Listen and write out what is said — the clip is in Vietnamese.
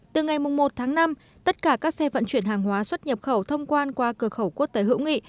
từ ngày một tháng năm tất cả các xe vận chuyển hàng hóa xuất nhập khẩu thông quan qua cửa khẩu quốc tế hữu nghị